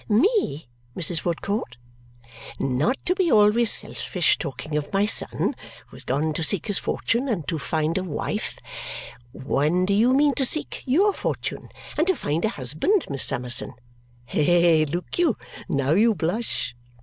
"Me, Mrs. Woodcourt?" "Not to be always selfish, talking of my son, who has gone to seek his fortune and to find a wife when do you mean to seek YOUR fortune and to find a husband, Miss Summerson? Hey, look you! Now you blush!"